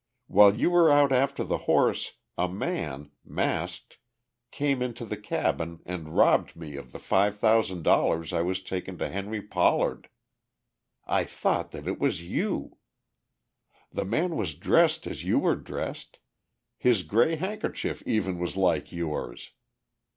While you were out after the horses a man, masked, came into the cabin and robbed me of the five thousand dollars I was taking to Henry Pollard. I thought that it was you! The man was dressed as you were dressed, his grey handkerchief even was like yours.